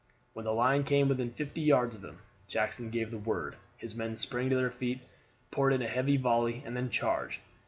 When the line came within fifty yards of him, Jackson gave the word, his men sprang to their feet, poured in a heavy volley, and then charged.